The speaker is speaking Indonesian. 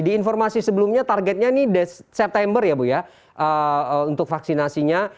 di informasi sebelumnya targetnya ini september ya bu ya untuk vaksinasinya